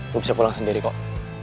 gue bisa pulang sendiri kok